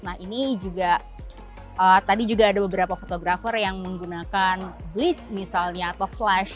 nah ini juga tadi juga ada beberapa fotografer yang menggunakan bleach misalnya atau flash